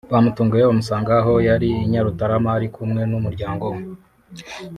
bamutunguye bamusanga aho yari i Nyarutarama ari kumwe n’umuryango we